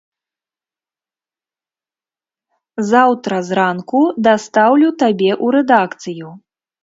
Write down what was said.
Заўтра зранку дастаўлю табе ў рэдакцыю.